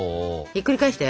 ひっくり返して！